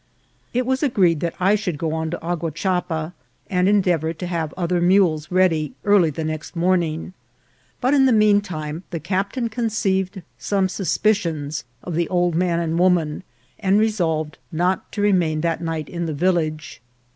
It was agreed that I should go on to Aguachapa and endeavour to have other mules ready early the next morning; but in the mean time the captain conceived some suspicions of the old man and woman, and re solved not to remain that night in the village.